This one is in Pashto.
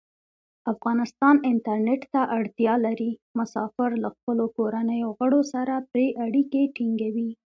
افغانستان انټرنیټ ته اړتیا لري. مسافر له خپلو کورنیو غړو سره پری اړیکې ټینګوی.